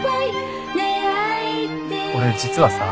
俺実はさ。